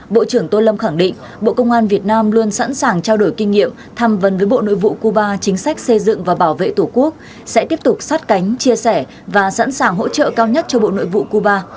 bộ trưởng tô lâm khẳng định bộ công an việt nam luôn sẵn sàng trao đổi kinh nghiệm tham vấn với bộ nội vụ cuba chính sách xây dựng và bảo vệ tổ quốc sẽ tiếp tục sát cánh chia sẻ và sẵn sàng hỗ trợ cao nhất cho bộ nội vụ cuba